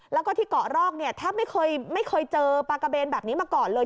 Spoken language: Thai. แล้วก็ที่เกาะรอกเนี่ยแทบไม่เคยเจอปากาเบนแบบนี้มาก่อนเลย